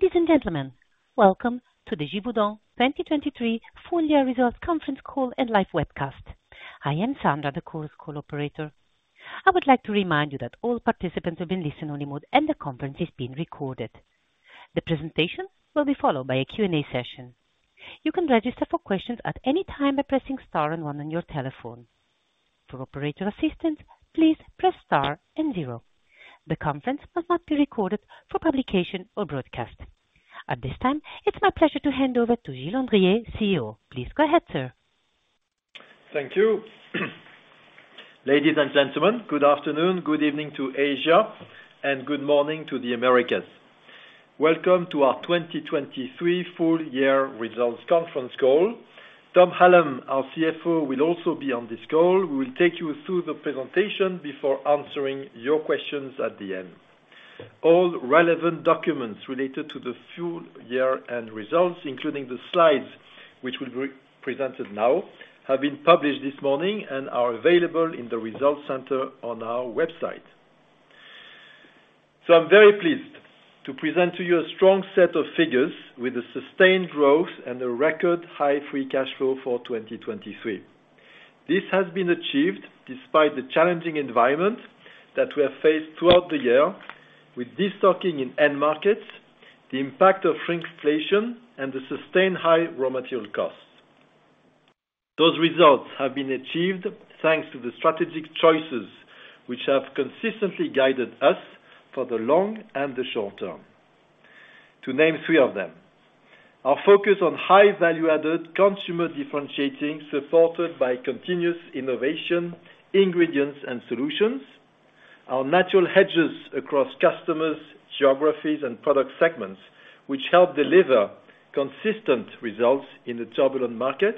Ladies and gentlemen, welcome to the Givaudan 2023 full year results conference call and live webcast. I am Sandra, the conference call operator. I would like to remind you that all participants have been placed in listen-only mode, and the conference is being recorded. The presentation will be followed by a Q&A session. You can register for questions at any time by pressing star and one on your telephone. For operator assistance, please press star and zero. The conference must not be recorded for publication or broadcast. At this time, it's my pleasure to hand over to Gilles Andrier, CEO. Please go ahead, sir. Thank you. Ladies and gentlemen, good afternoon, good evening to Asia, and good morning to the Americas. Welcome to our 2023 full year results conference call. Tom Hallam, our CFO, will also be on this call. We will take you through the presentation before answering your questions at the end. All relevant documents related to the full year-end results, including the slides, which will be presented now, have been published this morning and are available in the results center on our website. So I'm very pleased to present to you a strong set of figures with a sustained growth and a record high free cash flow for 2023. This has been achieved despite the challenging environment that we have faced throughout the year with destocking in end markets, the impact of shrinkflation, and the sustained high raw material costs. Those results have been achieved thanks to the strategic choices which have consistently guided us for the long and the short term. To name three of them, our focus on high value-added consumer differentiating, supported by continuous innovation, ingredients and solutions, our natural hedges across customers, geographies and product segments, which help deliver consistent results in the turbulent market,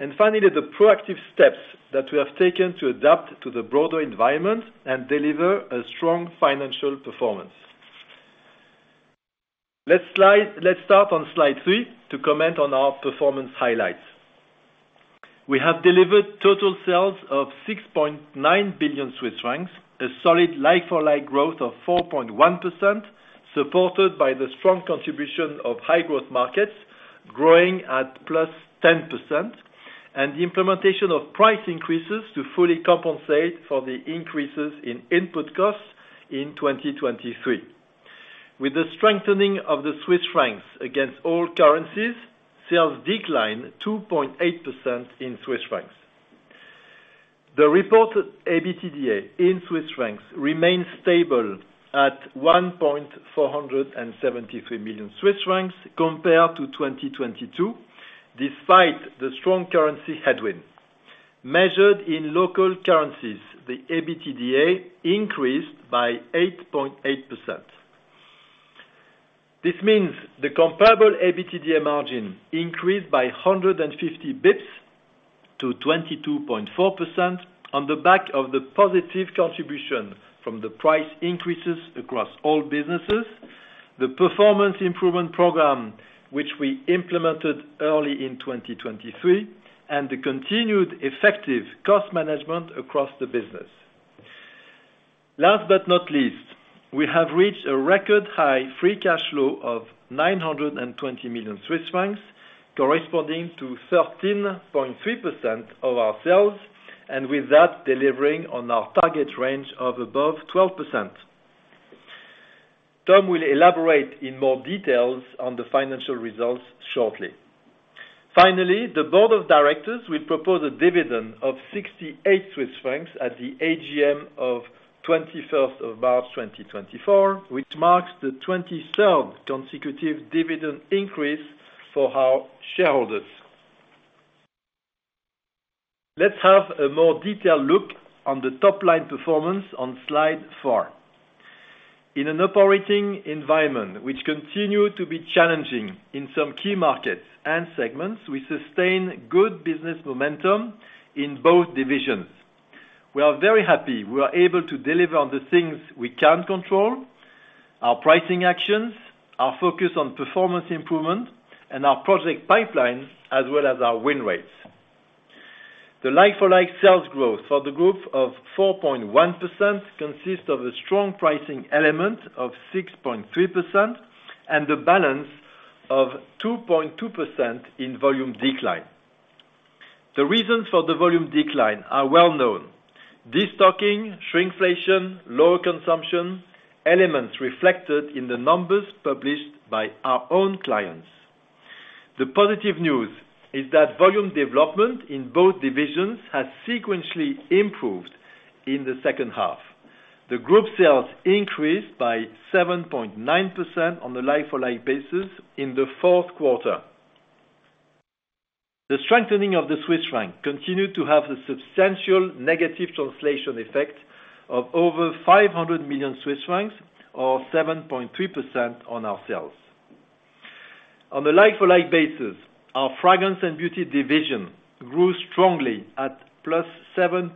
and finally, the proactive steps that we have taken to adapt to the broader environment and deliver a strong financial performance. Let's slide-- Let's start on slide three to comment on our performance highlights. We have delivered total sales of 6.9 billion Swiss francs, a solid like-for-like growth of 4.1%, supported by the strong contribution of high growth markets, growing at +10%, and the implementation of price increases to fully compensate for the increases in input costs in 2023. With the strengthening of the Swiss francs against all currencies, sales declined 2.8% in Swiss francs. The reported EBITDA in Swiss francs remains stable at 147.3 million compared to 2022, despite the strong currency headwind. Measured in local currencies, the EBITDA increased by 8.8%. This means the comparable EBITDA margin increased by 150 basis points to 22.4% on the back of the positive contribution from the price increases across all businesses, the Performance Improvement Program, which we implemented early in 2023, and the continued effective cost management across the business. Last but not least, we have reached a record high free cash flow of 920 million Swiss francs, corresponding to 13.3% of our sales, and with that delivering on our target range of above 12%. Tom will elaborate in more details on the financial results shortly. Finally, the board of directors will propose a dividend of 68 Swiss francs at the AGM of 21st of March 2024, which marks the 23rd consecutive dividend increase for our shareholders. Let's have a more detailed look on the top line performance on slide four. In an operating environment which continued to be challenging in some key markets and segments, we sustained good business momentum in both divisions. We are very happy we are able to deliver on the things we can control, our pricing actions, our focus on Performance Improvement, and our project pipelines, as well as our win rates. The like-for-like sales growth for the group of 4.1% consists of a strong pricing element of 6.3% and the balance of 2.2% in volume decline. The reasons for the volume decline are well known: destocking, shrinkflation, lower consumption, elements reflected in the numbers published by our own clients. The positive news is that volume development in both divisions has sequentially improved in the second half. The group sales increased by 7.9% on a like-for-like basis in the fourth quarter. The strengthening of the Swiss franc continued to have a substantial negative translation effect of over 500 million Swiss francs or 7.3% on our sales. On the like-for-like basis, our Fragrance & Beauty division grew strongly at +7.6%,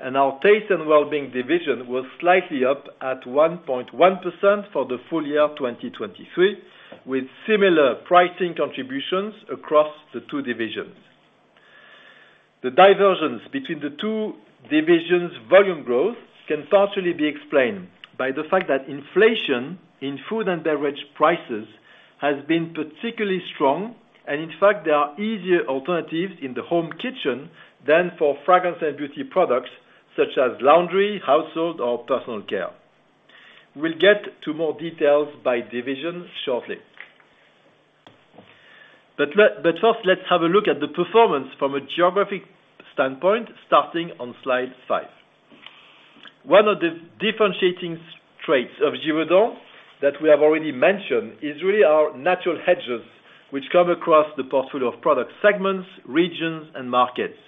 and our Taste & Wellbeing division was slightly up at 1.1% for the full year 2023, with similar pricing contributions across the two divisions. The divergence between the two divisions' volume growth can partially be explained by the fact that inflation in food and beverage prices has been particularly strong, and in fact, there are easier alternatives in the home kitchen than for Fragrance & Beauty products, such as laundry, household, or personal care. We'll get to more details by division shortly. But first, let's have a look at the performance from a geographic standpoint, starting on Slide five. One of the differentiating traits of Givaudan that we have already mentioned is really our natural hedges, which come across the portfolio of product segments, regions, and markets.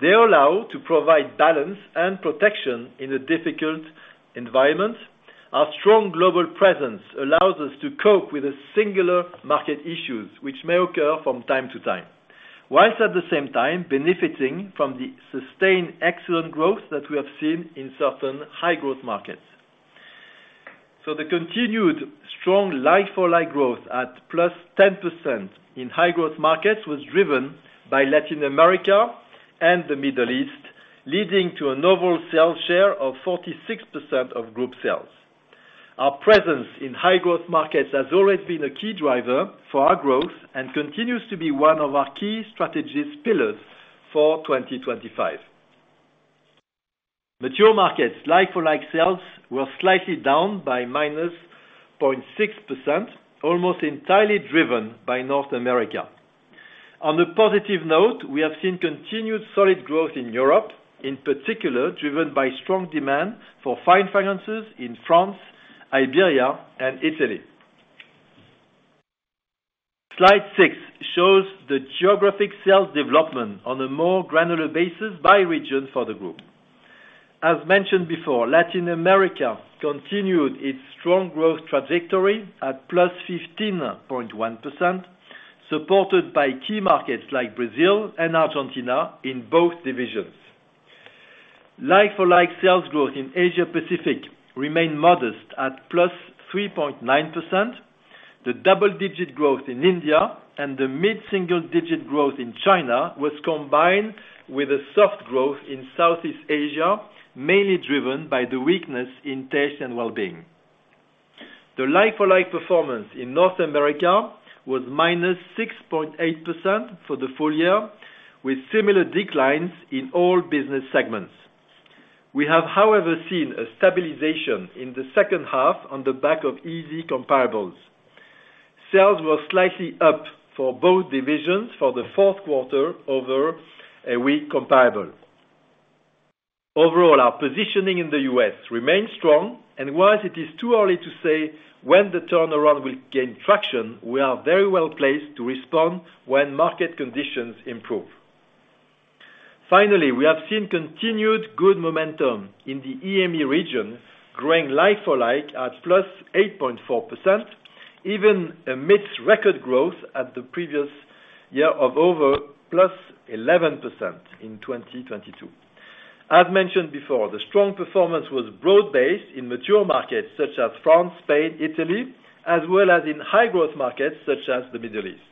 They allow to provide balance and protection in a difficult environment. Our strong global presence allows us to cope with singular market issues, which may occur from time to time, while at the same time benefiting from the sustained excellent growth that we have seen in certain high-growth markets. So the continued strong like-for-like growth at +10% in high-growth markets was driven by Latin America and the Middle East, leading to an overall sales share of 46% of group sales. Our presence in high-growth markets has always been a key driver for our growth and continues to be one of our key strategic pillars for 2025. Mature markets, like-for-like sales, were slightly down by -0.6%, almost entirely driven by North America. On a positive note, we have seen continued solid growth in Europe, in particular, driven by strong demand for Fine Fragrances in France, Iberia, and Italy. Slide six shows the geographic sales development on a more granular basis by region for the group. As mentioned before, Latin America continued its strong growth trajectory at +15.1%, supported by key markets like Brazil and Argentina in both divisions. Like-for-like sales growth in Asia Pacific remained modest at +3.9%. The double-digit growth in India and the mid-single digit growth in China was combined with a soft growth in Southeast Asia, mainly driven by the weakness in Taste & Wellbeing. The like-for-like performance in North America was -6.8% for the full year, with similar declines in all business segments. We have, however, seen a stabilization in the second half on the back of easy comparables. Sales were slightly up for both divisions for the fourth quarter over a weak comparable. Overall, our positioning in the U.S. remains strong, and whilst it is too early to say when the turnaround will gain traction, we are very well placed to respond when market conditions improve. Finally, we have seen continued good momentum in the EMEA region, growing like-for-like at +8.4%, even amidst record growth at the previous year of over +11% in 2022. As mentioned before, the strong performance was broad-based in mature markets such as France, Spain, Italy, as well as in high-growth markets such as the Middle East.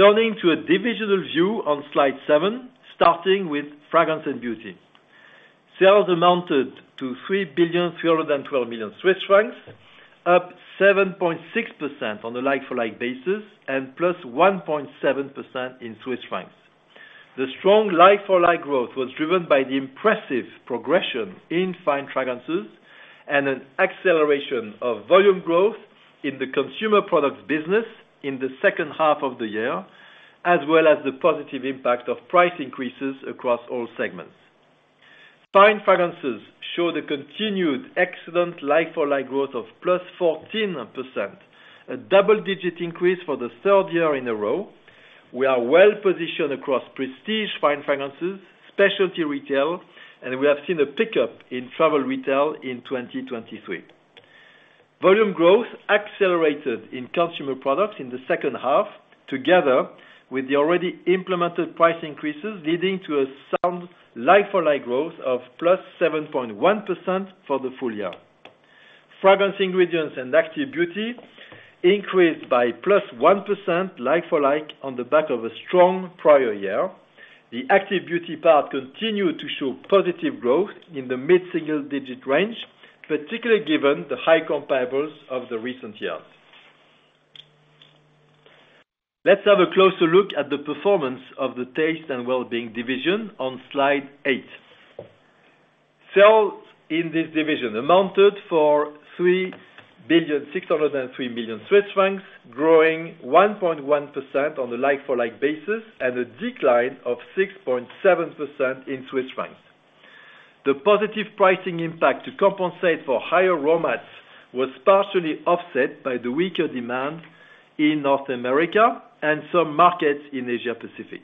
Turning to a divisional view on Slide seven, starting with Fragrance & Beauty. Sales amounted to 3,312,000,000 Swiss francs, up 7.6% on a like-for-like basis, and +1.7% in CHF. The strong like-for-like growth was driven by the impressive progression in Fine Fragrances and an acceleration of volume growth in the Consumer Products business in the second half of the year, as well as the positive impact of price increases across all segments. Fine Fragrances showed a continued excellent like-for-like growth of +14%, a double-digit increase for the third year in a row. We are well-positioned across prestige Fine Fragrances, specialty retail, and we have seen a pickup in travel retail in 2023. Volume growth accelerated in Consumer Products in the second half, together with the already implemented price increases, leading to a sound like-for-like growth of +7.1% for the full year. Fragrance Ingredients & Active Beauty increased by +1% like-for-like on the back of a strong prior year. The Active Beauty part continued to show positive growth in the mid-single-digit range, particularly given the high comparables of the recent years. Let's have a closer look at the performance of the Taste & Wellbeing division on Slide eight. Sales in this division amounted for 3,603 million Swiss francs, growing 1.1% on the like-for-like basis, and a decline of 6.7% in CHF. The positive pricing impact to compensate for higher raw materials was partially offset by the weaker demand in North America and some markets in Asia Pacific.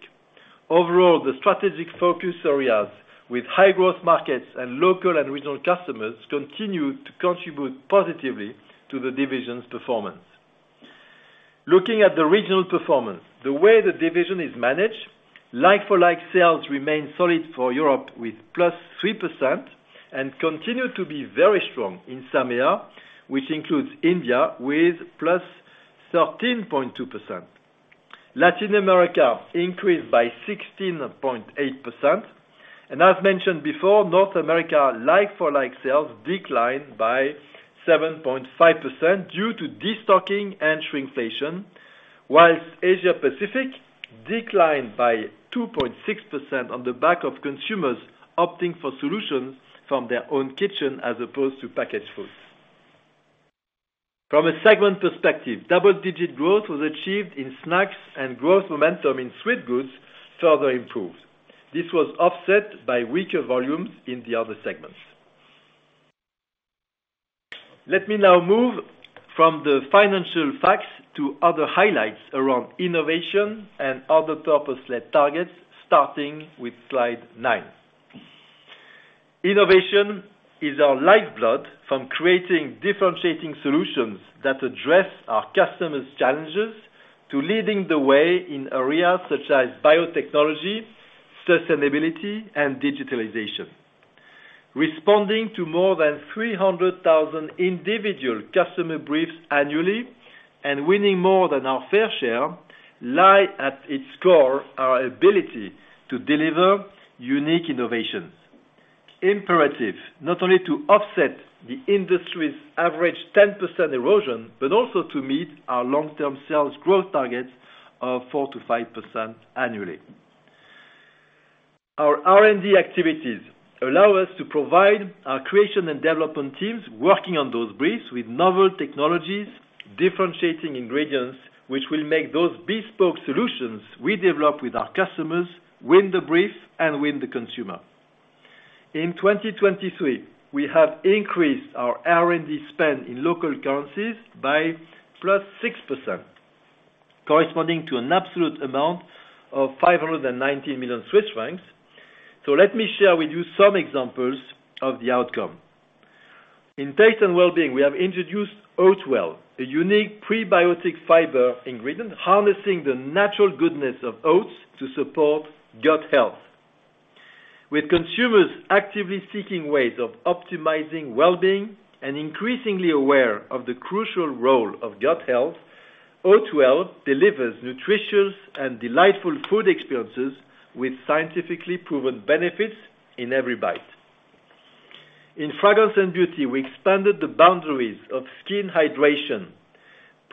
Overall, the strategic focus areas with high-growth markets and local and regional customers continued to contribute positively to the division's performance. Looking at the regional performance, the way the division is managed, like-for-like sales remain solid for Europe with +3%... and continue to be very strong in SAMEA, which includes India, with +13.2%. Latin America increased by 16.8%, and as mentioned before, North America, like-for-like sales declined by 7.5% due to destocking and shrinkflation. While Asia Pacific declined by 2.6% on the back of consumers opting for solutions from their own kitchen, as opposed to packaged foods. From a segment perspective, double-digit growth was achieved in Snacks, and growth momentum in Sweet Goods further improved. This was offset by weaker volumes in the other segments. Let me now move from the financial facts to other highlights around innovation and other purpose-led targets, starting with slide nine. Innovation is our lifeblood from creating differentiating solutions that address our customers' challenges, to leading the way in areas such as biotechnology, sustainability, and digitalization. Responding to more than 300,000 individual customer briefs annually, and winning more than our fair share, lie at its core, our ability to deliver unique innovations. Imperative, not only to offset the industry's average 10% erosion, but also to meet our long-term sales growth targets of 4%-5% annually. Our R&D activities allow us to provide our creation and development teams working on those briefs with novel technologies, differentiating ingredients, which will make those bespoke solutions we develop with our customers, win the briefs and win the consumer. In 2023, we have increased our R&D spend in local currencies by +6%, corresponding to an absolute amount of 519 million Swiss francs. So let me share with you some examples of the outcome. In Taste & Wellbeing, we have introduced OatWell, a unique prebiotic fiber ingredient, harnessing the natural goodness of oats to support gut health. With consumers actively seeking ways of optimizing wellbeing and increasingly aware of the crucial role of gut health, OatWell delivers nutritious and delightful food experiences with scientifically proven benefits in every bite. In Fragrance & Beauty, we expanded the boundaries of skin hydration.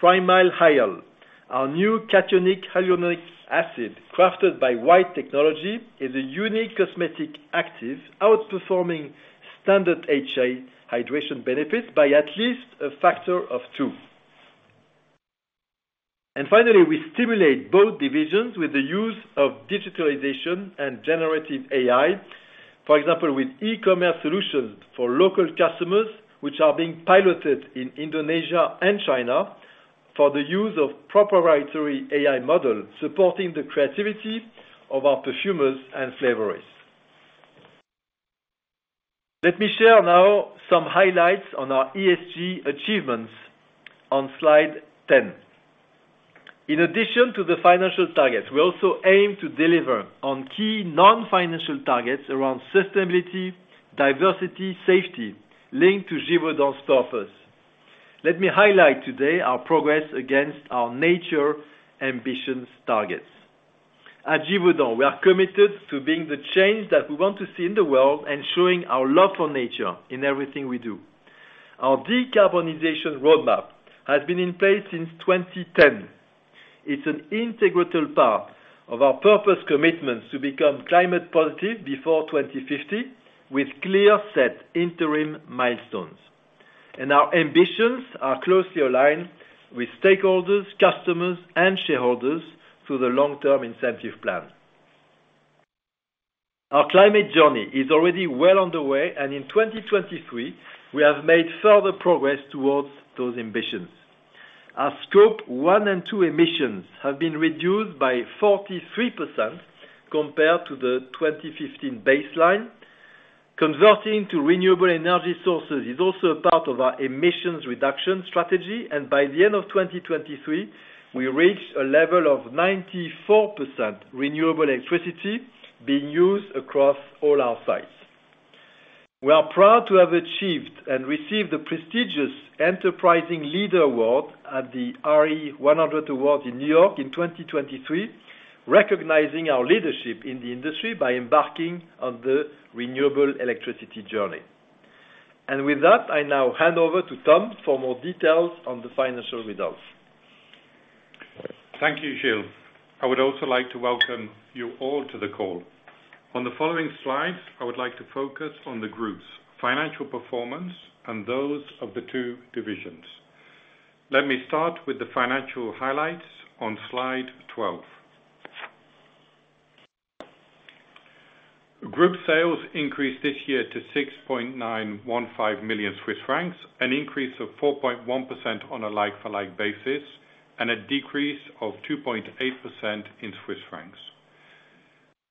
PrimalHyal, our new cationic hyaluronic acid, crafted by white biotechnology, is a unique cosmetic active, outperforming standard HA hydration benefits by at least a factor of two. And finally, we stimulate both divisions with the use of digitalization and generative AI. For example, with e-commerce solutions for local customers, which are being piloted in Indonesia and China, for the use of proprietary AI model, supporting the creativity of our perfumers and flavorists. Let me share now some highlights on our ESG achievements on Slide 10. In addition to the financial targets, we also aim to deliver on key non-financial targets around sustainability, diversity, safety, linked to Givaudan's purpose. Let me highlight today our progress against our nature ambitions targets. At Givaudan, we are committed to being the change that we want to see in the world and showing our love for nature in everything we do. Our decarbonization roadmap has been in place since 2010. It's an integral part of our purpose commitments to become climate positive before 2050, with clear set interim milestones. Our ambitions are closely aligned with stakeholders, customers, and shareholders through the long-term incentive plan. Our climate journey is already well underway, and in 2023, we have made further progress towards those ambitions. Our Scope 1 and 2 emissions have been reduced by 43% compared to the 2015 baseline. Converting to renewable energy sources is also a part of our emissions reduction strategy, and by the end of 2023, we reached a level of 94% renewable electricity being used across all our sites. We are proud to have achieved and received the prestigious Enterprising Leader Award at the RE100 Awards in New York in 2023, recognizing our leadership in the industry by embarking on the renewable electricity journey. With that, I now hand over to Tom for more details on the financial results. Thank you, Gilles. I would also like to welcome you all to the call. On the following slides, I would like to focus on the group's financial performance and those of the two divisions. Let me start with the financial highlights on slide 12. Group sales increased this year to 6.915 million Swiss francs, an increase of 4.1% on a like-for-like basis, and a decrease of 2.8% in Swiss francs.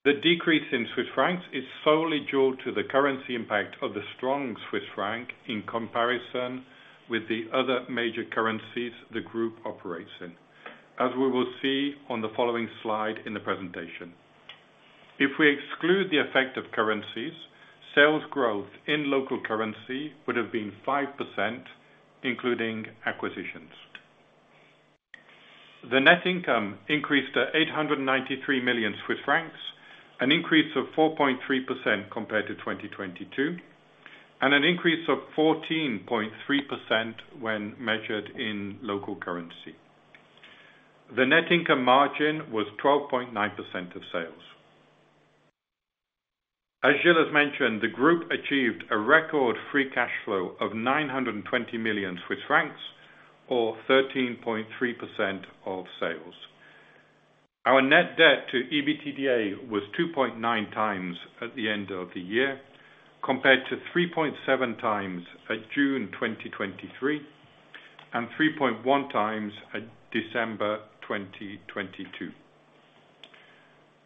The decrease in Swiss francs is solely due to the currency impact of the strong Swiss franc in comparison with the other major currencies the group operates in... as we will see on the following slide in the presentation. If we exclude the effect of currencies, sales growth in local currency would have been 5%, including acquisitions. The net income increased to 893 million Swiss francs, an increase of 4.3% compared to 2022, and an increase of 14.3% when measured in local currency. The net income margin was 12.9% of sales. As Gilles has mentioned, the group achieved a record free cash flow of 920 million Swiss francs, or 13.3% of sales. Our net debt to EBITDA was 2.9 times at the end of the year, compared to 3.7 times at June 2023, and 3.1 times at December 2022.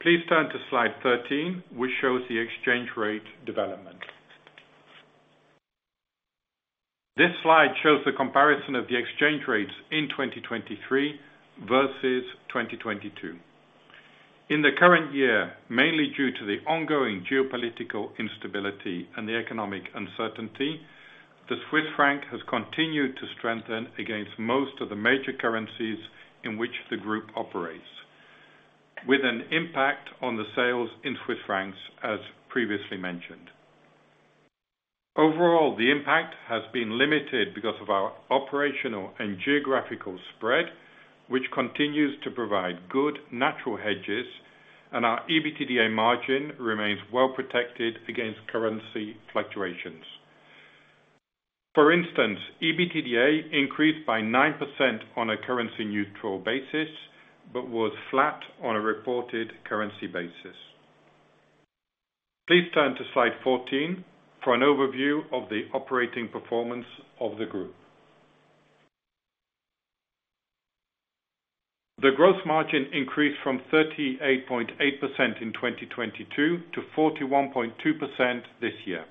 Please turn to slide 13, which shows the exchange rate development. This slide shows the comparison of the exchange rates in 2023 versus 2022. In the current year, mainly due to the ongoing geopolitical instability and the economic uncertainty, the Swiss franc has continued to strengthen against most of the major currencies in which the group operates, with an impact on the sales in Swiss francs, as previously mentioned. Overall, the impact has been limited because of our operational and geographical spread, which continues to provide good natural hedges, and our EBITDA margin remains well protected against currency fluctuations. For instance, EBITDA increased by 9% on a currency neutral basis, but was flat on a reported currency basis. Please turn to slide 14 for an overview of the operating performance of the group. The gross margin increased from 38.8% in 2022 to 41.2% this year.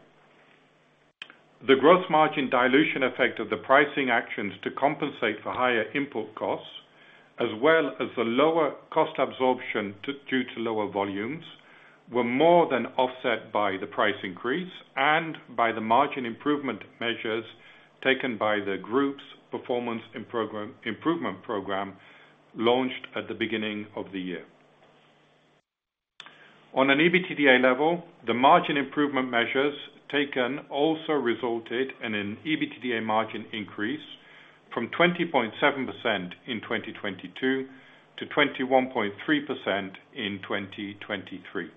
The growth margin dilution effect of the pricing actions to compensate for higher input costs, as well as the lower cost absorption to, due to lower volumes, were more than offset by the price increase and by the margin improvement measures taken by the group's performance and program, improvement program, launched at the beginning of the year. On an EBITDA level, the margin improvement measures taken also resulted in an EBITDA margin increase from 20.7% in 2022 to 21.3% in 2023.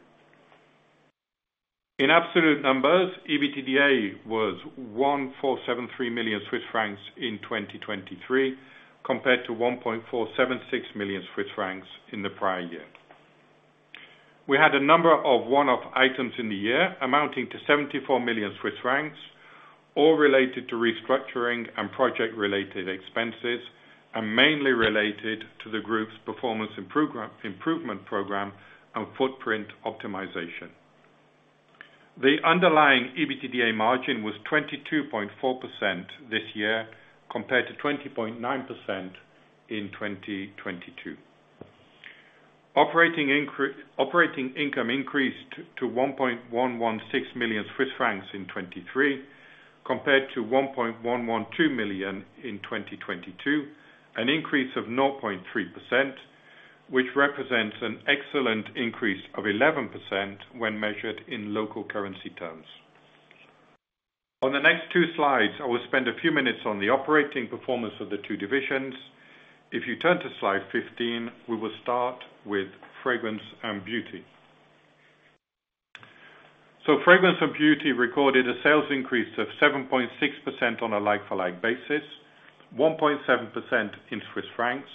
In absolute numbers, EBITDA was 1,473 million Swiss francs in 2023, compared to 1.476 million Swiss francs in the prior year. We had a number of one-off items in the year, amounting to 74 million Swiss francs, all related to restructuring and project-related expenses, and mainly related to the group's Performance Improvement Program and footprint optimization. The underlying EBITDA margin was 22.4% this year, compared to 20.9% in 2022. Operating income increased to 1.116 million Swiss francs in 2023, compared to 1.112 million in 2022, an increase of 0.3%, which represents an excellent increase of 11% when measured in local currency terms. On the next two slides, I will spend a few minutes on the operating performance of the two divisions. If you turn to slide 15, we will start with Fragrance & Beauty. So Fragrance & Beauty recorded a sales increase of 7.6% on a like-for-like basis, 1.7% in Swiss francs,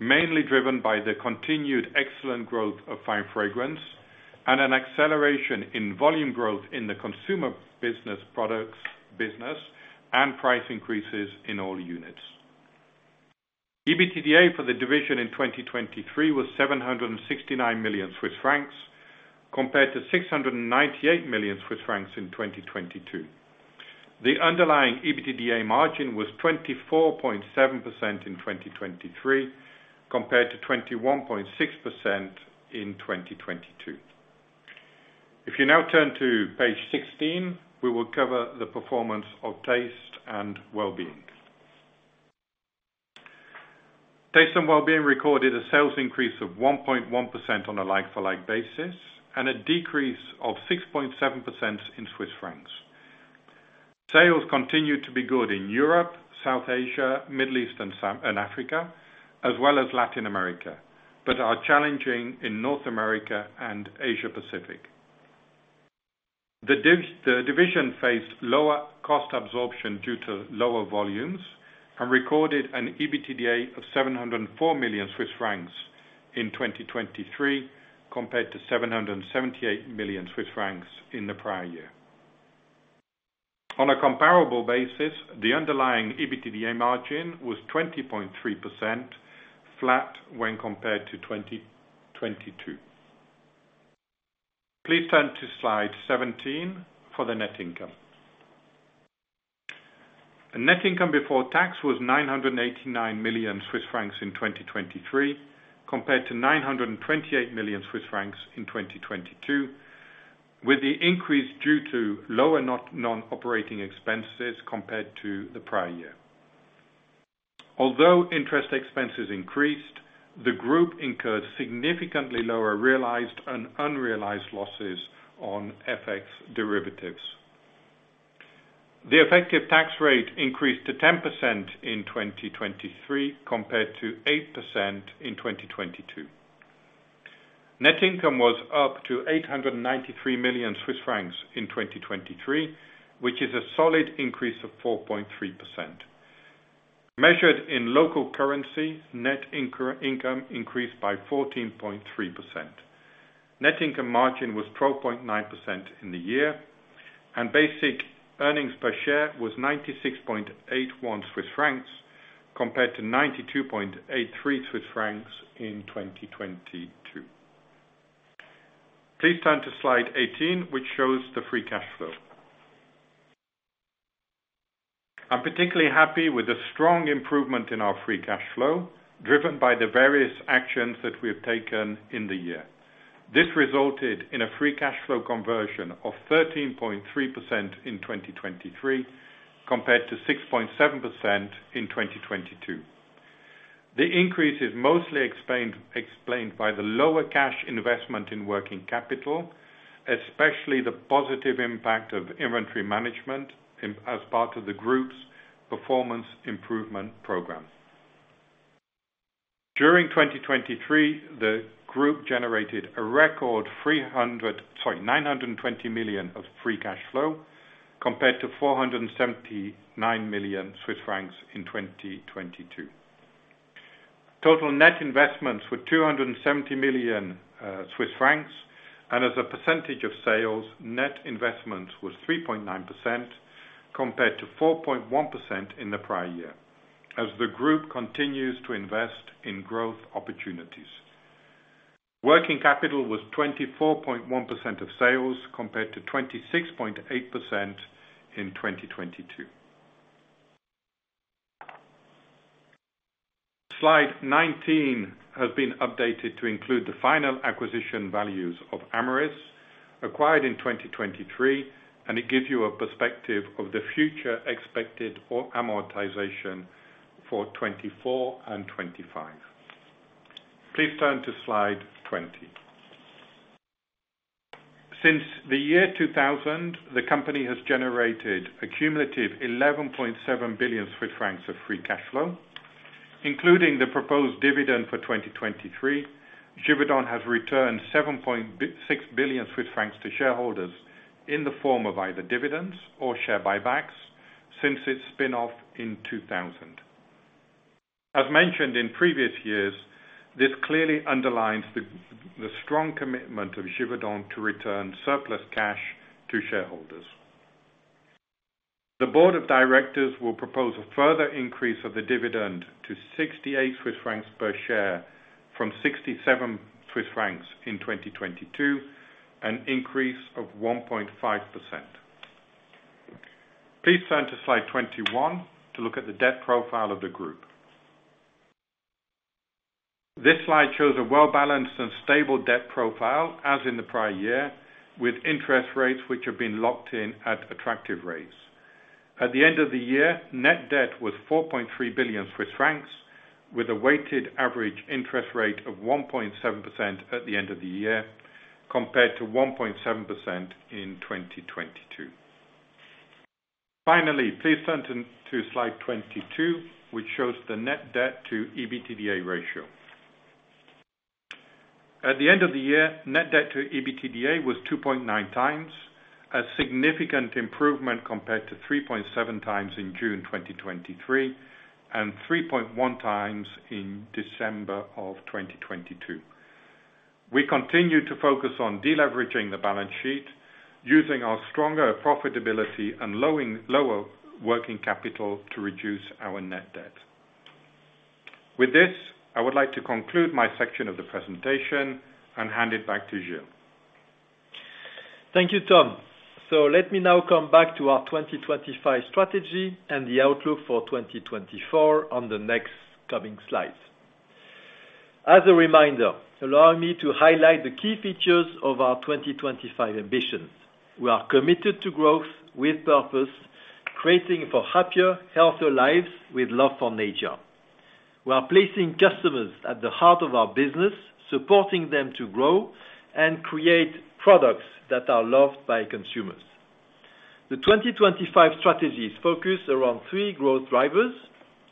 mainly driven by the continued excellent growth of Fine Fragrances and an acceleration in volume growth in the Consumer Products business and price increases in all units. EBITDA for the division in 2023 was 769 million Swiss francs, compared to 698 million Swiss francs in 2022. The underlying EBITDA margin was 24.7% in 2023, compared to 21.6% in 2022. If you now turn to page 16, we will cover the performance of Taste & Wellbeing. Taste & Wellbeing recorded a sales increase of 1.1% on a like-for-like basis, and a decrease of 6.7% in Swiss francs. Sales continued to be good in Europe, South Asia, Middle East, and SAMEA, as well as Latin America, but are challenging in North America and Asia Pacific. The division faced lower cost absorption due to lower volumes and recorded an EBITDA of 704 million Swiss francs in 2023, compared to 778 million Swiss francs in the prior year. On a comparable basis, the underlying EBITDA margin was 20.3%, flat when compared to 2022. Please turn to slide 17 for the net income. Net income before tax was 989 million Swiss francs in 2023, compared to 928 million Swiss francs in 2022, with the increase due to lower non-operating expenses compared to the prior year. Although interest expenses increased, the group incurred significantly lower realized and unrealized losses on FX derivatives. The effective tax rate increased to 10% in 2023, compared to 8% in 2022. Net income was up to 893 million Swiss francs in 2023, which is a solid increase of 4.3%. Measured in local currency, net income increased by 14.3%. Net income margin was 12.9% in the year, and basic earnings per share was 96.81 Swiss francs, compared to 92.83 Swiss francs in 2022. Please turn to Slide 18, which shows the free cash flow. I'm particularly happy with the strong improvement in our free cash flow, driven by the various actions that we have taken in the year. This resulted in a free cash flow conversion of 13.3% in 2023, compared to 6.7% in 2022. The increase is mostly explained by the lower cash investment in working capital, especially the positive impact of inventory management in as part of the group's Performance Improvement Program. During 2023, the group generated a record 920 million of free cash flow, compared to 479 million Swiss francs in 2022. Total net investments were 270 million Swiss francs, and as a percentage of sales, net investments was 3.9%, compared to 4.1% in the prior year, as the group continues to invest in growth opportunities. Working capital was 24.1% of sales, compared to 26.8% in 2022. Slide 19 has been updated to include the final acquisition values of Amyris, acquired in 2023, and it gives you a perspective of the future expected or amortization for 2024 and 2025. Please turn to Slide 20. Since the year 2000, the company has generated a cumulative 11.7 billion Swiss francs of free cash flow, including the proposed dividend for 2023. Givaudan has returned 7.6 billion Swiss francs to shareholders in the form of either dividends or share buybacks since its spin-off in 2000. As mentioned in previous years, this clearly underlines the strong commitment of Givaudan to return surplus cash to shareholders. The board of directors will propose a further increase of the dividend to 68 Swiss francs per share from 67 Swiss francs in 2022, an increase of 1.5%. Please turn to Slide 21 to look at the debt profile of the group. This slide shows a well-balanced and stable debt profile, as in the prior year, with interest rates which have been locked in at attractive rates. At the end of the year, net debt was 4.3 billion Swiss francs, with a weighted average interest rate of 1.7% at the end of the year, compared to 1.7% in 2022. Finally, please turn to Slide 22, which shows the net debt to EBITDA ratio. At the end of the year, net debt to EBITDA was 2.9 times, a significant improvement compared to 3.7 times in June 2023, and 3.1 times in December of 2022. We continue to focus on deleveraging the balance sheet, using our stronger profitability and lower working capital to reduce our net debt. With this, I would like to conclude my section of the presentation and hand it back to Gilles. Thank you, Tom. So let me now come back to our 2025 strategy and the outlook for 2024 on the next coming slides. As a reminder, allow me to highlight the key features of our 2025 ambitions. We are committed to growth with purpose, creating for happier, healthier lives with love for nature. We are placing customers at the heart of our business, supporting them to grow and create products that are loved by consumers. The 2025 strategy is focused around three growth drivers: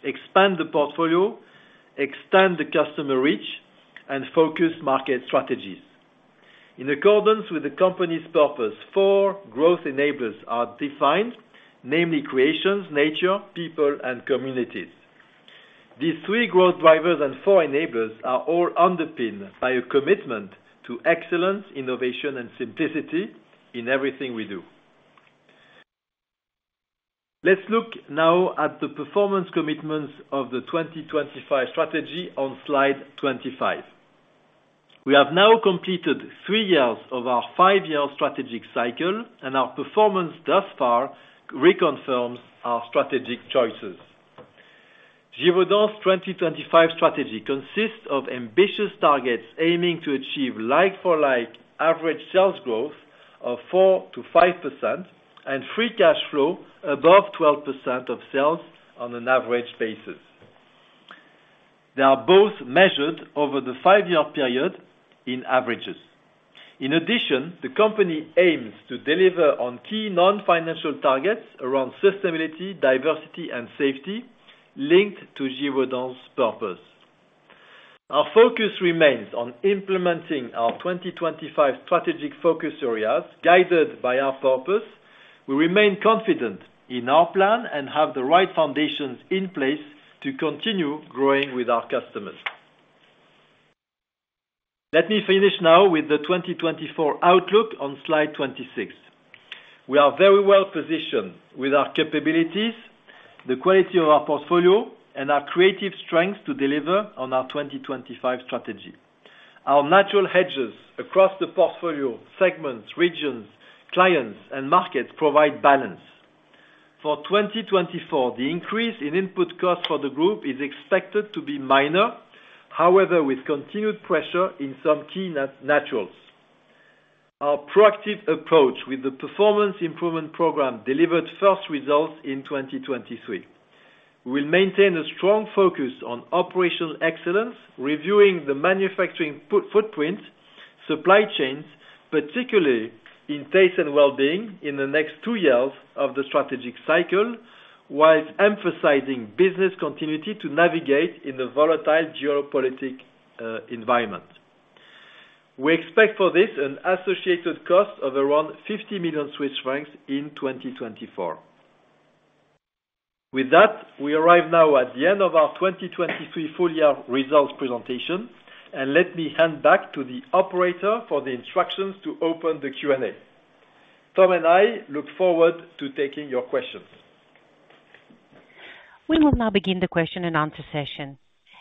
expand the portfolio, extend the customer reach, and focus market strategies. In accordance with the company's purpose, four growth enablers are defined, namely creations, nature, people, and communities. These three growth drivers and four enablers are all underpinned by a commitment to excellence, innovation, and simplicity in everything we do. Let's look now at the performance commitments of the 2025 strategy on slide 25.... We have now completed three years of our five-year strategic cycle, and our performance thus far reconfirms our strategic choices. Givaudan's 2025 strategy consists of ambitious targets, aiming to achieve like-for-like average sales growth of 4%-5%, and free cash flow above 12% of sales on an average basis. They are both measured over the five-year period in averages. In addition, the company aims to deliver on key non-financial targets around sustainability, diversity, and safety linked to Givaudan's purpose. Our focus remains on implementing our 2025 strategic focus areas, guided by our purpose. We remain confident in our plan and have the right foundations in place to continue growing with our customers. Let me finish now with the 2024 outlook on slide 26. We are very well positioned with our capabilities, the quality of our portfolio, and our creative strengths to deliver on our 2025 strategy. Our natural hedges across the portfolio, segments, regions, clients, and markets provide balance. For 2024, the increase in input costs for the group is expected to be minor, however, with continued pressure in some key naturals. Our proactive approach with the Performance Improvement Program delivered first results in 2023. We'll maintain a strong focus on operational excellence, reviewing the manufacturing footprint, supply chains, particularly in Taste & Wellbeing, in the next two years of the strategic cycle, while emphasizing business continuity to navigate in a volatile geopolitical environment. We expect for this, an associated cost of around 50 million Swiss francs in 2024. With that, we arrive now at the end of our 2023 full year results presentation, and let me hand back to the operator for the instructions to open the Q&A. Tom and I look forward to taking your questions. We will now begin the question and answer session.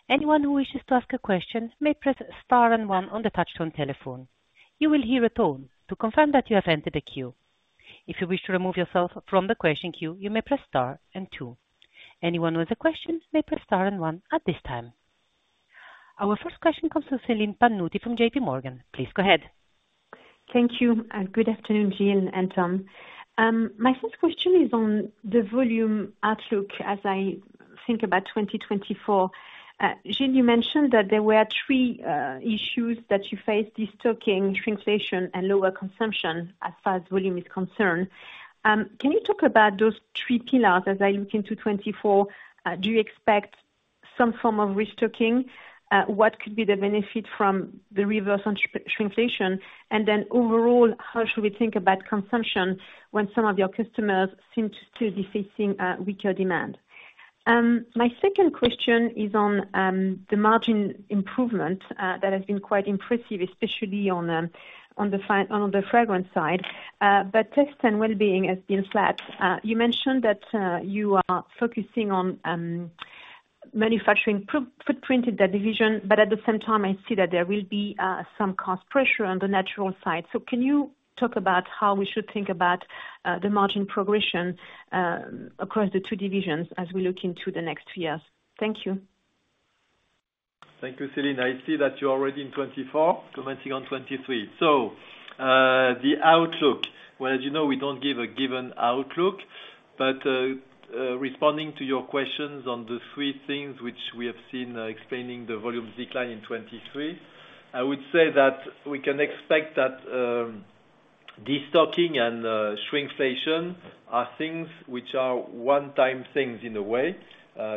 Anyone who wishes to ask a question, may press star and one on the touchtone telephone. You will hear a tone to confirm that you have entered a queue. If you wish to remove yourself from the question queue, you may press star and two. Anyone with a question may press star and one at this time. Our first question comes from Celine Pannuti from J.P. Morgan. Please go ahead. Thank you, and good afternoon, Gilles and Tom. My first question is on the volume outlook as I think about 2024. Gilles, you mentioned that there were three issues that you faced, destocking, shrinkflation, and lower consumption, as far as volume is concerned. Can you talk about those three pillars as I look into 2024? Do you expect some form of restocking? What could be the benefit from the reverse on shrinkflation? And then overall, how should we think about consumption, when some of your customers seem to still be facing weaker demand? My second question is on the margin improvement that has been quite impressive, especially on the fragrance side, but Taste & Wellbeing has been flat. You mentioned that you are focusing on manufacturing footprint in that division, but at the same time, I see that there will be some cost pressure on the natural side. So can you talk about how we should think about the margin progression across the two divisions as we look into the next few years? Thank you. Thank you, Celine. I see that you're already in 2024, commenting on 2023. So, the outlook, well, as you know, we don't give a given outlook, but, responding to your questions on the three things which we have seen, explaining the volume decline in 2023, I would say that we can expect that, destocking and, shrinkflation are things which are one-time things in a way,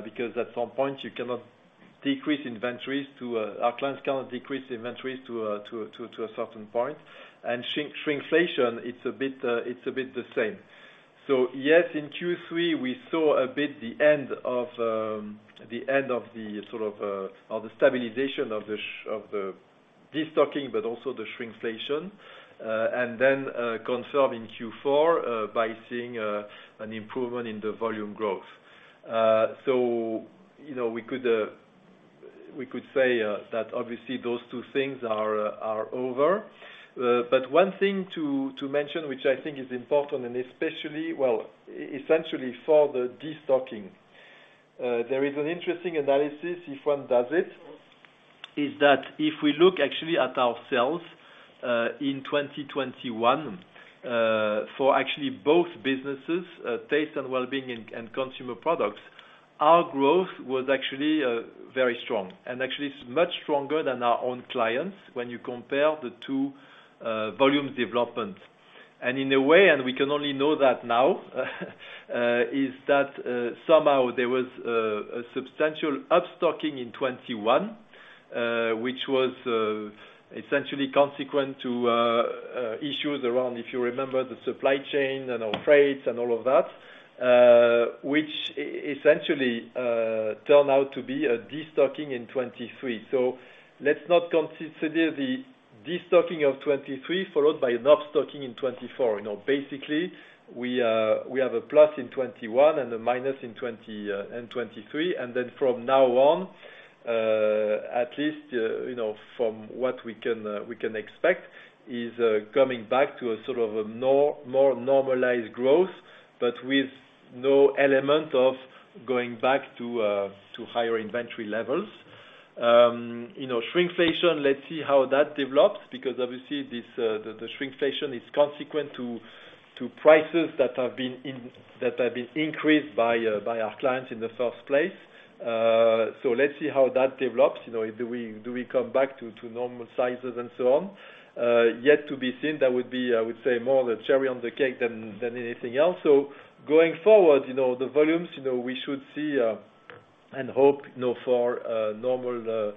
because at some point you cannot decrease inventories to... our clients cannot decrease inventories to a certain point. And shrinkflation, it's a bit, it's a bit the same. So yes, in Q3, we saw a bit, the end of the sort of or the stabilization of the destocking, but also the shrinkflation, and then confirm in Q4 by seeing an improvement in the volume growth. So, you know, we could say that obviously those two things are over. But one thing to mention, which I think is important, and especially, well, essentially for the destocking, there is an interesting analysis, if one does it, is that if we look actually at our sales in 2021 for actually both businesses, Taste & Wellbeing and Consumer Products, our growth was actually very strong. And actually, it's much stronger than our own clients, when you compare the two volume development. In a way, we can only know that now, is that somehow there was a substantial upstocking in 2021, which was essentially consequent to issues around, if you remember, the supply chain and our freights and all of that, which essentially turned out to be a destocking in 2023. So let's not consider destocking of 2023, followed by an upstocking in 2024. You know, basically, we, we have a plus in 2021 and a minus in 2023, and then from now on, at least, you know, from what we can, we can expect, is coming back to a sort of a more normalized growth, but with no element of going back to higher inventory levels. You know, shrinkflation, let's see how that develops, because obviously this, the shrinkflation is consequent to prices that have been increased by our clients in the first place. So let's see how that develops. You know, do we come back to normal sizes and so on? Yet to be seen, that would be, I would say, more the cherry on the cake than anything else. So going forward, you know, the volumes, you know, we should see and hope, you know, for normal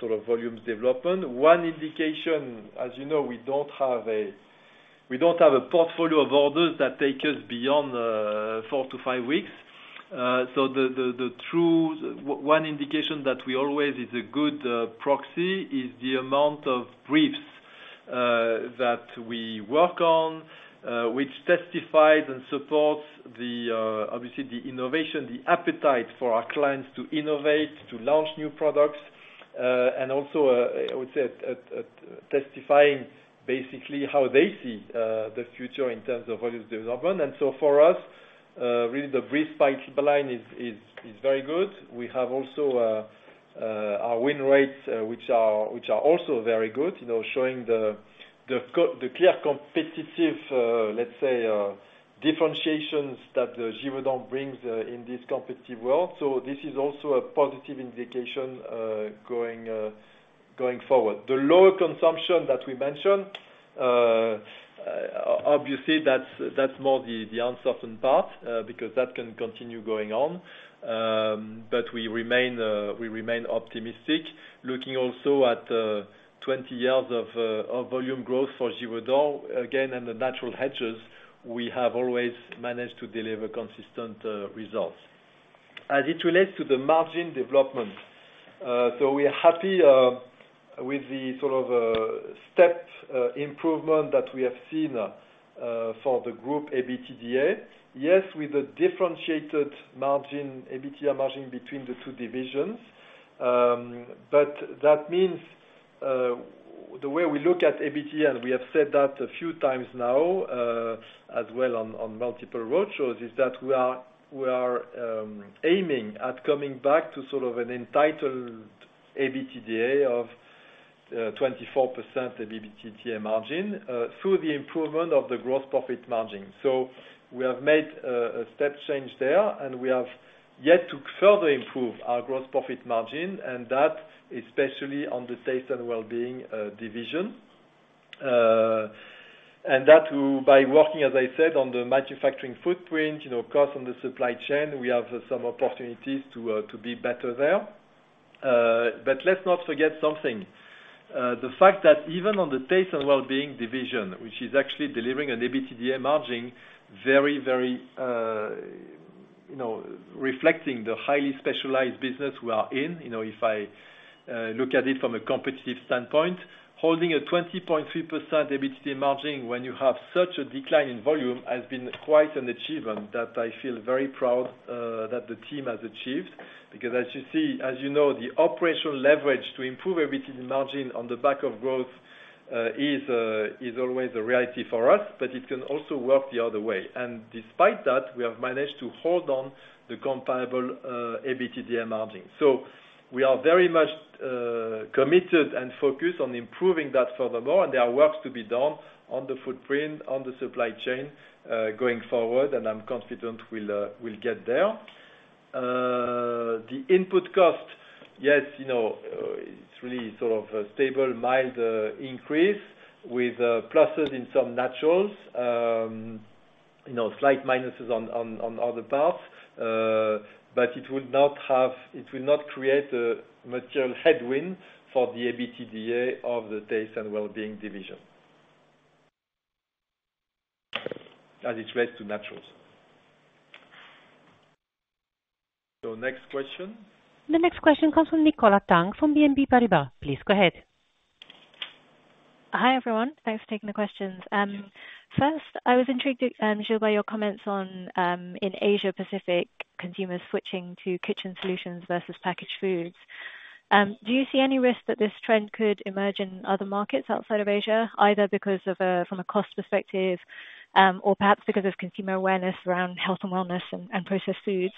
sort of volumes development. One indication, as you know, we don't have a portfolio of orders that take us beyond four-five weeks. So the true one indication that we always is a good proxy is the amount of briefs that we work on, which testifies and supports the obviously the innovation, the appetite for our clients to innovate, to launch new products, and also, I would say, at testifying, basically, how they see the future in terms of volume development. And so for us, really, the brief pipeline is very good. We have also our win rates, which are also very good, you know, showing the the clear competitive, let's say, differentiations that Givaudan brings in this competitive world. So this is also a positive indication going forward. The lower consumption that we mentioned, obviously, that's more the uncertain part, because that can continue going on. But we remain optimistic. Looking also at 20 years of volume growth for Givaudan, again, in the natural hedges, we have always managed to deliver consistent results. As it relates to the margin development, so we are happy with the sort of stepped improvement that we have seen for the group EBITDA. Yes, with a differentiated margin, EBITDA margin between the two divisions, but that means the way we look at EBITDA, and we have said that a few times now, as well on multiple roadshows, is that we are aiming at coming back to sort of an entitled EBITDA of 24% EBITDA margin through the improvement of the gross profit margin. So we have made a step change there, and we have yet to further improve our gross profit margin, and that especially on the Taste & Wellbeing division. And that by working, as I said, on the manufacturing footprint, you know, cost on the supply chain, we have some opportunities to be better there. But let's not forget something, the fact that even on the Taste & Wellbeing division, which is actually delivering an EBITDA margin, very, very, you know, reflecting the highly specialized business we are in, you know, if I look at it from a competitive standpoint, holding a 20.3% EBITDA margin when you have such a decline in volume, has been quite an achievement that I feel very proud that the team has achieved. Because as you see, as you know, the operational leverage to improve EBITDA margin on the back of growth, is always a reality for us, but it can also work the other way. And despite that, we have managed to hold on the comparable EBITDA margin. So we are very much committed and focused on improving that furthermore, and there are works to be done on the footprint, on the supply chain going forward, and I'm confident we'll get there. The input cost, yes, you know, it's really sort of a stable, mild increase with pluses in some naturals, you know, slight minuses on, on, on other parts, but it would not have—it will not create a material headwind for the EBITDA of the Taste & Wellbeing division. As it relates to naturals. So next question? The next question comes from Nicola Tang, from BNP Paribas. Please go ahead. Hi, everyone. Thanks for taking the questions. First, I was intrigued, Gilles, by your comments on in Asia Pacific, consumers switching to kitchen solutions versus packaged foods. Do you see any risk that this trend could emerge in other markets outside of Asia, either because of, from a cost perspective, or perhaps because of consumer awareness around health and wellness and, and processed foods?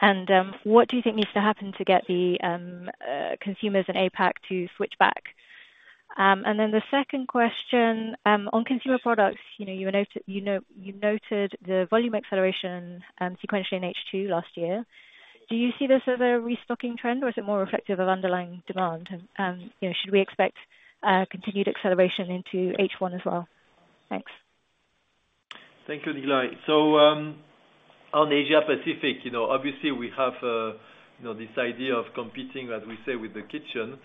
And, what do you think needs to happen to get the consumers in APAC to switch back? And then the second question, on Consumer Products, you know, you noted, you know, you noted the volume acceleration, sequentially in H2 last year. Do you see this as a restocking trend, or is it more reflective of underlying demand? And, you know, should we expect continued acceleration into H1 as well? Thanks. Thank you, Nicola. So, on Asia Pacific, you know, obviously we have, you know, this idea of competing, as we say, with the kitchen,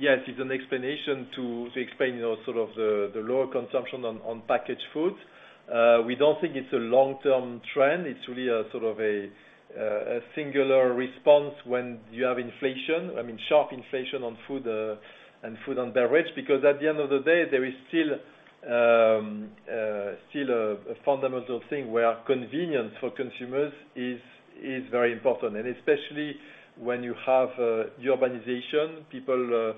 yes, it's an explanation to explain, you know, sort of the lower consumption on packaged foods. We don't think it's a long-term trend. It's really a sort of a singular response when you have inflation, I mean, sharp inflation on food and food and beverage. Because at the end of the day, there is still a fundamental thing where convenience for consumers is very important. And especially when you have the urbanization, people,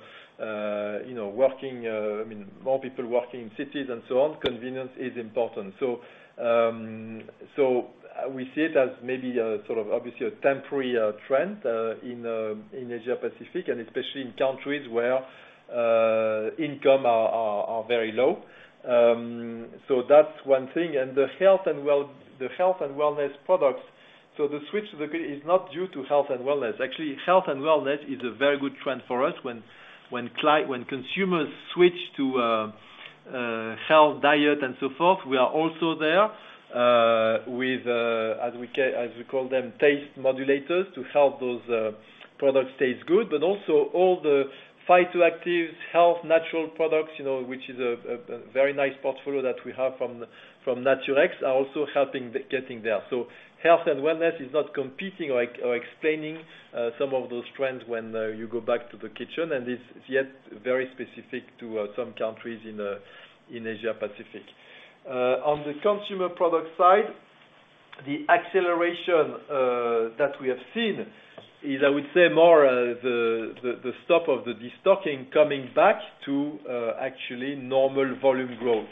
you know, working, I mean, more people working in cities and so on, convenience is important. So, we see it as maybe a sort of, obviously, a temporary trend in Asia Pacific, and especially in countries where income are very low. So that's one thing. And the health and wellness products, so the switch is not due to health and wellness. Actually, health and wellness is a very good trend for us when consumers switch to health, diet, and so forth, we are also there with, as we call them, taste modulators, to help those products taste good. But also all the phyto actives, health, natural products, you know, which is a very nice portfolio that we have from Naturex, are also helping getting there. So health and wellness is not competing or explaining some of those trends when you go back to the kitchen, and it's yet very specific to some countries in Asia Pacific. On the Consumer Products side, the acceleration that we have seen is, I would say, more the stop of the destocking coming back to actually normal volume growth.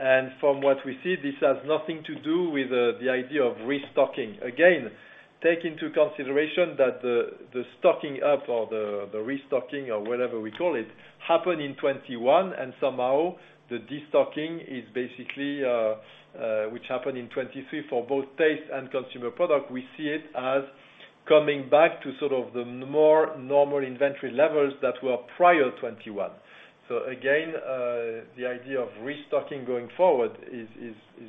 And from what we see, this has nothing to do with the idea of restocking. Again, take into consideration that the stocking up or the restocking, or whatever we call it, happened in 2021, and somehow the destocking is basically which happened in 2023 for both Taste and Consumer Products. We see it as coming back to sort of the more normal inventory levels that were prior 2021. So again, the idea of restocking going forward is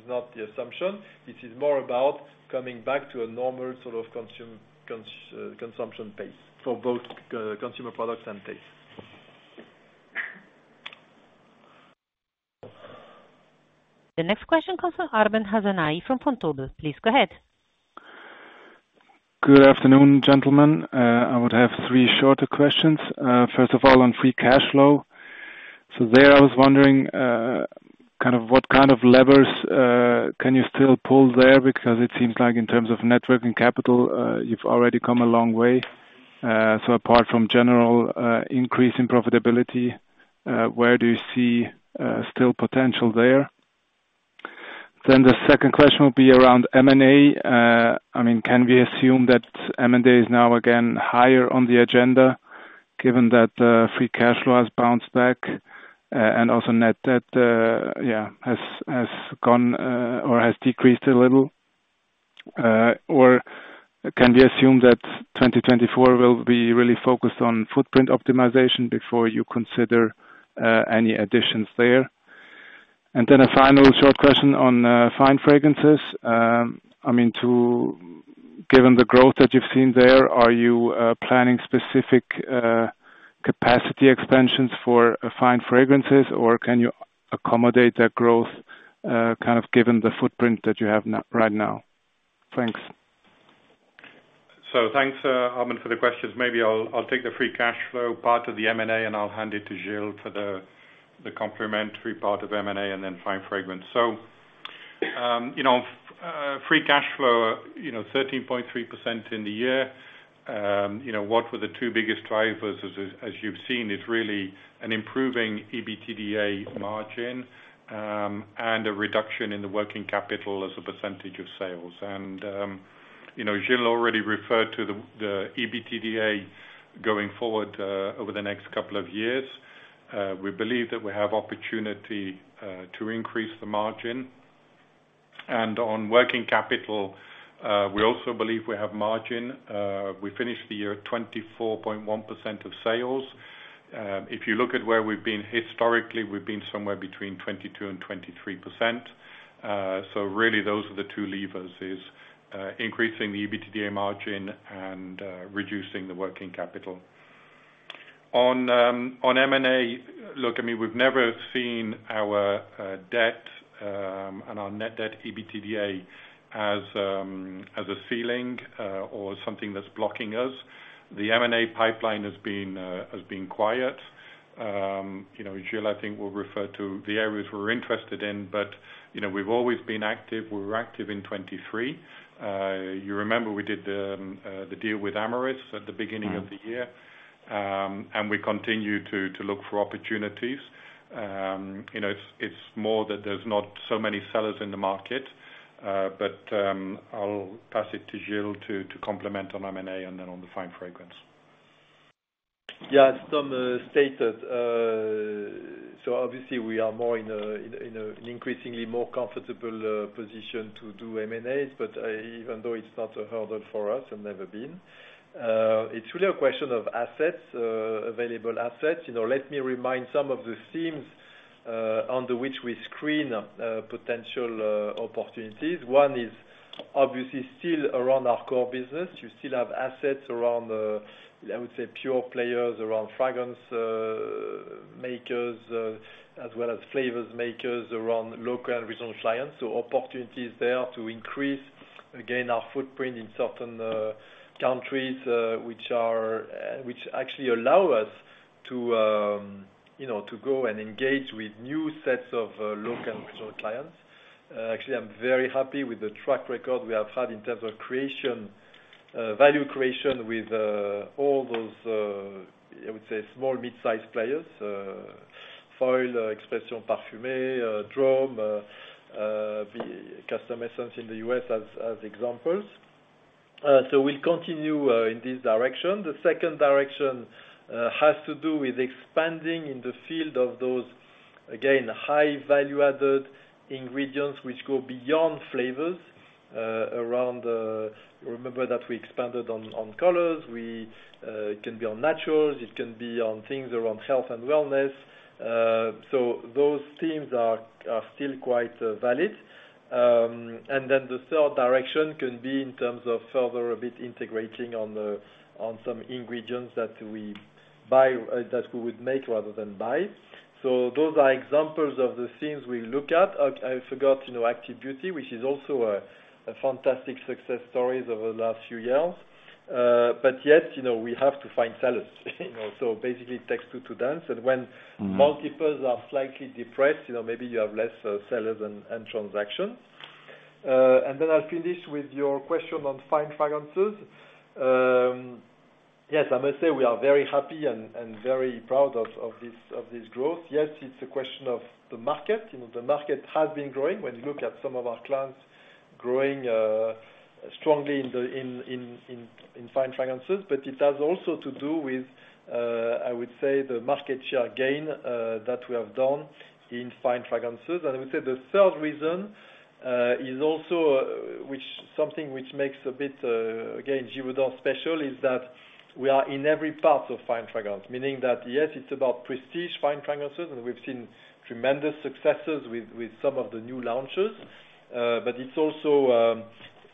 not the assumption. This is more about coming back to a normal sort of consumption pace for both Consumer Products and taste. The next question comes from Arben Hasanaj from Vontobel. Please go ahead. Good afternoon, gentlemen. I would have three shorter questions. First of all, on free cash flow. So there, I was wondering, kind of, what kind of levers can you still pull there? Because it seems like in terms of net working capital, you've already come a long way. So apart from general increase in profitability, where do you see still potential there? Then the second question will be around M&A. I mean, can we assume that M&A is now again higher on the agenda, given that free cash flow has bounced back, and also net debt, yeah, has gone or has decreased a little? Or can we assume that 2024 will be really focused on footprint optimization before you consider any additions there? And then a final short question on Fine Fragrances. I mean, given the growth that you've seen there, are you planning specific capacity expansions for Fine Fragrances, or can you accommodate that growth kind of given the footprint that you have now? Thanks. So thanks, Arvin, for the questions. Maybe I'll take the free cash flow part of the M&A, and I'll hand it to Gilles for the complementary part of M&A and then Fine Fragrance. So, you know, free cash flow, you know, 13.3% in the year. You know, what were the two biggest drivers as you've seen is really an improving EBITDA margin and a reduction in the working capital as a percentage of sales. And, you know, Gilles already referred to the EBITDA going forward over the next couple of years. We believe that we have opportunity to increase the margin. And on working capital, we also believe we have margin. We finished the year at 24.1% of sales. If you look at where we've been historically, we've been somewhere between 22%-23%. So really those are the two levers, is, increasing the EBITDA margin and, reducing the working capital. On, on M&A, look, I mean, we've never seen our, debt, and our net debt, EBITDA, as, as a ceiling, or something that's blocking us. The M&A pipeline has been, has been quiet. You know, Gilles, I think, will refer to the areas we're interested in, but, you know, we've always been active. We were active in 2023. You remember we did the, the deal with Amyris at the beginning of the year. And we continue to, to look for opportunities. You know, it's more that there's not so many sellers in the market, but I'll pass it to Gilles to complement on M&A and then on the Fine Fragrance. Yeah, as Tom stated, so obviously we are more in an increasingly more comfortable position to do M&A, but even though it's not a hurdle for us and never been, it's really a question of assets, available assets. You know, let me remind some of the themes under which we screen potential opportunities. One is obviously still around our core business. You still have assets around, I would say, pure players around fragrance makers as well as flavors makers around local and regional clients. So opportunities there to increase again our footprint in certain countries which actually allow us to, you know, to go and engage with new sets of local clients. Actually, I'm very happy with the track record we have had in terms of creation, value creation with all those, I would say, small mid-sized players. Fragrance Oils, Expression Parfumée, Drom, Custom Essence in the U.S. as examples. So we'll continue in this direction. The second direction has to do with expanding in the field of those, again, high value added ingredients, which go beyond flavors, around, remember that we expanded on, on colors. We, it can be on naturals, it can be on things around health and wellness. So those themes are still quite valid. And then the third direction can be in terms of further a bit integrating on the, on some ingredients that we buy, that we would make rather than buy. So those are examples of the things we look at. I forgot, you know, Active Beauty, which is also a fantastic success stories over the last few years. But yes, you know, we have to find sellers, you know, so basically it takes two to dance. And when- Mm-hmm. Multiples are slightly depressed, you know, maybe you have less sellers and transactions. And then I'll finish with your question on Fine Fragrances. Yes, I must say we are very happy and very proud of this growth. Yes, it's a question of the market. You know, the market has been growing. When you look at some of our clients growing strongly in Fine Fragrances. But it has also to do with, I would say, the market share gain that we have done in Fine Fragrances. And I would say the third reason is also, which something which makes a bit again, Givaudan special, is that we are in every part of Fine Fragrances. Meaning that, yes, it's about prestige Fine Fragrances, and we've seen tremendous successes with some of the new launches. But it's also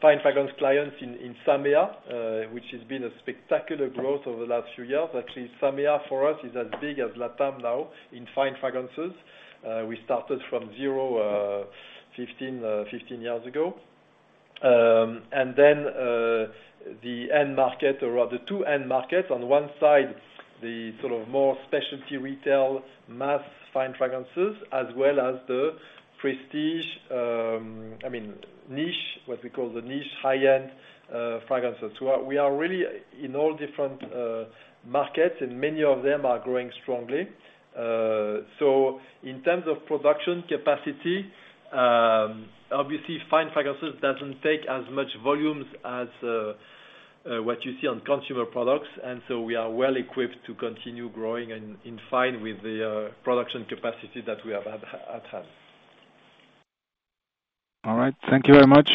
Fine Fragrance clients in SAMEA, which has been a spectacular growth over the last few years. Actually, SAMEA, for us, is as big as LATAM now in Fine Fragrances. We started from zero 15 years ago. And then the end market, or rather two end markets, on one side, the sort of more specialty retail, mass Fine Fragrances, as well as the prestige, I mean, niche, what we call the niche, high-end fragrances. So we are really in all different markets, and many of them are growing strongly. So in terms of production capacity, obviously, Fine Fragrances doesn't take as much volumes as what you see on Consumer Products. And so we are well equipped to continue growing in line with the production capacity that we have had at hand. All right. Thank you very much.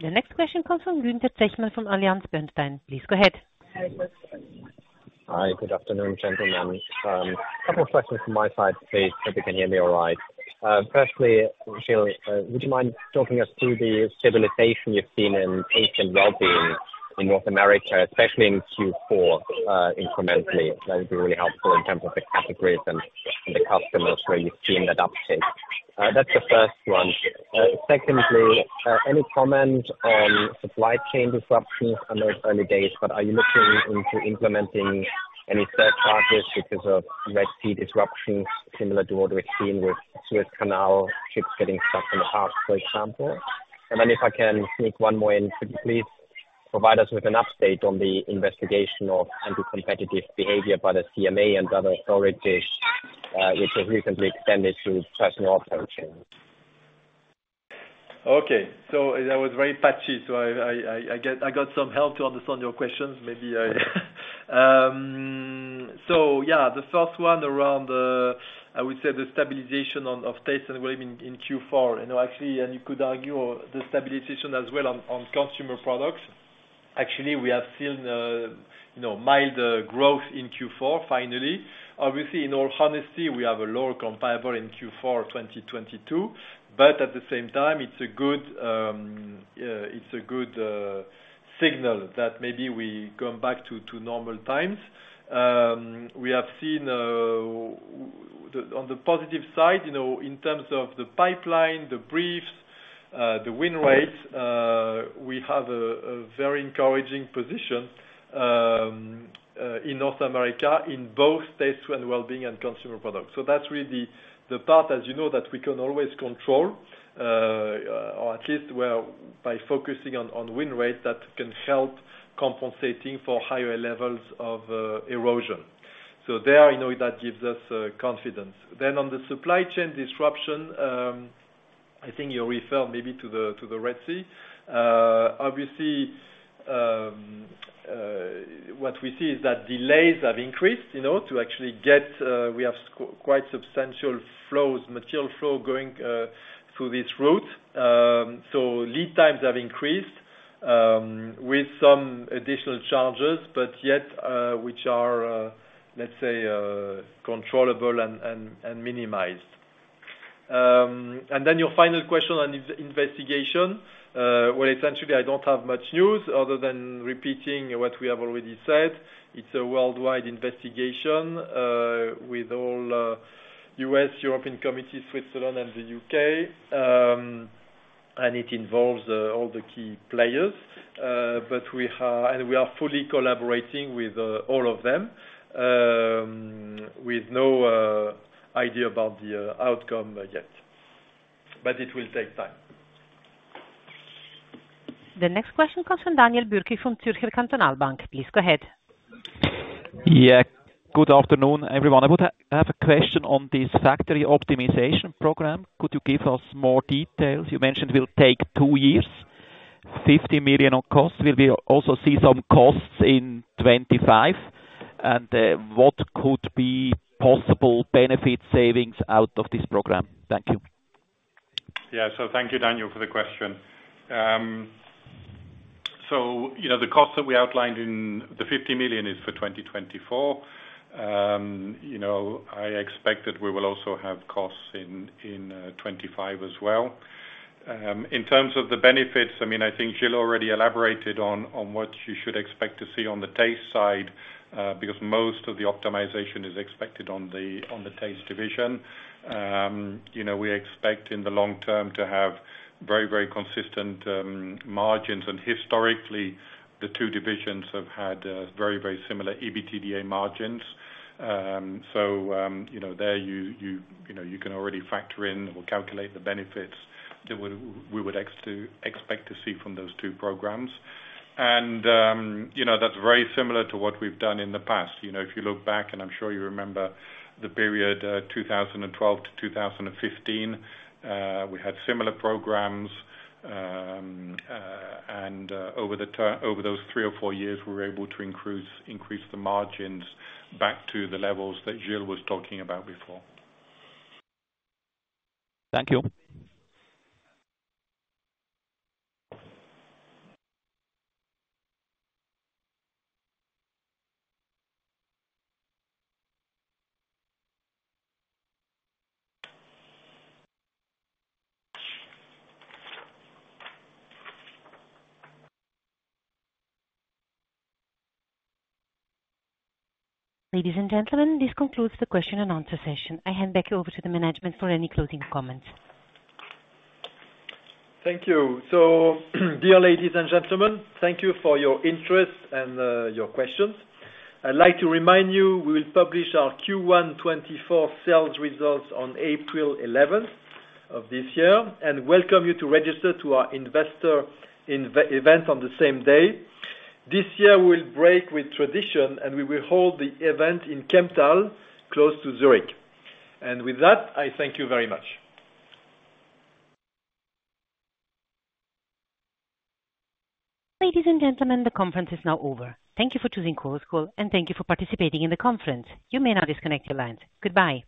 The next question comes from Gunther Zechmann from AllianceBernstein. Please go ahead. Hi, good afternoon, gentlemen. A couple of questions from my side, please. Hope you can hear me all right. Firstly, Gilles, would you mind talking us through the stabilization you've seen in Taste & Wellbeing in North America, especially in Q4, incrementally? That would be really helpful in terms of the categories and, and the customers where you've seen that uptake. That's the first one. Secondly, any comment on supply chain disruptions? I know it's early days, but are you looking into implementing any surcharges because of Red Sea disruptions, similar to what we've seen with Suez Canal ships getting stuck in the past, for example? Then if I can sneak one more in, could you please provide us with an update on the investigation of anti-competitive behavior by the CMA and other authorities, which was recently extended to personal care? Okay. So that was very patchy, so I got some help to understand your questions. So yeah, the first one around the, I would say, the stabilization on of Taste & Wellbeing in Q4. You know, actually, and you could argue the stabilization as well on Consumer Products. Actually, we have seen, you know, mild growth in Q4, finally. Obviously, in all honesty, we have a lower comparable in Q4 2022, but at the same time, it's a good signal that maybe we come back to normal times. We have seen on the positive side, you know, in terms of the pipeline, the briefs, the win rates, we have a very encouraging position in North America, in both Taste & Wellbeing and Consumer Products. So that's really the part, as you know, that we can always control, or at least where by focusing on win rates, that can help compensating for higher levels of erosion. So there, you know, that gives us confidence. Then on the supply chain disruption, I think you refer maybe to the Red Sea. Obviously, what we see is that delays have increased, you know, to actually get... We have quite substantial flows, material flow going through this route. So lead times have increased.... with some additional charges, but yet, which are, let's say, controllable and minimized. And then your final question on this investigation, well, essentially, I don't have much news other than repeating what we have already said. It's a worldwide investigation, with all, U.S., European Commission, Switzerland and the U.K. And it involves all the key players, but we are fully collaborating with all of them, with no idea about the outcome yet. But it will take time. The next question comes from Daniel Bürki, from Zürcher Kantonalbank. Please go ahead. Yeah. Good afternoon, everyone. I would have a question on this factory optimization program. Could you give us more details? You mentioned it will take two years, 50 million on cost. Will we also see some costs in 25? And, what could be possible benefit savings out of this program? Thank you. Yeah. So thank you, Daniel, for the question. So you know, the cost that we outlined in the 50 million is for 2024. You know, I expect that we will also have costs in 2025 as well. In terms of the benefits, I mean, I think Gilles already elaborated on what you should expect to see on the Taste side, because most of the optimization is expected on the Taste division. You know, we expect in the long term to have very, very consistent margins. And historically, the two divisions have had very, very similar EBITDA margins. So you know, there, you know, you can already factor in or calculate the benefits that we would expect to see from those two programs. You know, that's very similar to what we've done in the past. You know, if you look back, and I'm sure you remember the period, 2012 to 2015, we had similar programs. Over those three or four years, we were able to increase the margins back to the levels that Gilles was talking about before. Thank you. Ladies and gentlemen, this concludes the question and answer session. I hand back over to the management for any closing comments. Thank you. So dear ladies and gentlemen, thank you for your interest and your questions. I'd like to remind you, we will publish our Q1 2024 sales results on April eleventh of this year, and welcome you to register to our investor event on the same day. This year, we'll break with tradition, and we will hold the event in Kemptthal, close to Zurich. With that, I thank you very much. Ladies and gentlemen, the conference is now over. Thank you for choosing Chorus Call, and thank you for participating in the conference. You may now disconnect your lines. Goodbye.